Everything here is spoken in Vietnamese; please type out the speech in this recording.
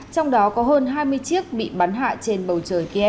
trong đó có hơn hai mươi chiếc bị bắn hạ trên bầu trời